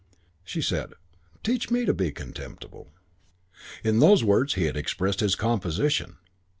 She said, "Teach me to be contemptible." V In those words he had expressed his composition.